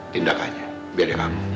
tindakannya beda denganmu